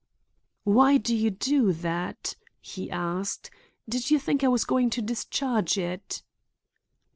"Why do you do that?" he asked. "Did you think I was going to discharge it?"